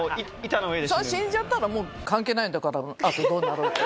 死んじゃったらもう関係ないんだからあとどうなろうと。